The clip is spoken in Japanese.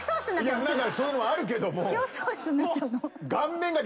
そういうのはあるけども。